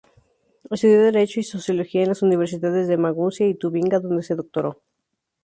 Estudió derecho y sociología en las universidades de Maguncia y Tubinga, donde se doctoró.